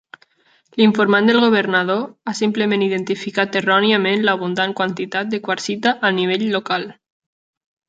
L'informant del Governador ha simplement identificat erròniament l'abundant quantitat de quarsita a nivell local.